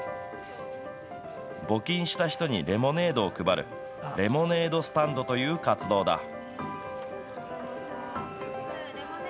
募金した人にレモネードを配る、レモネードスタンドという活動だ。